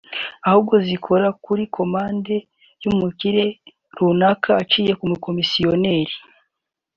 ahubwo zikora kuri “commande” y’umukire runaka waciye ku mukomisiyoneri